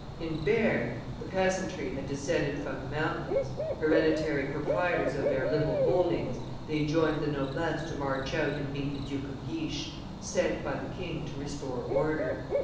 In Bearn, the peasantry had descended from the mountains; hereditary proprietors of their little holdings, they joined the noblesse to march out and meet the Duke of Guiche, sent by the king to restore order.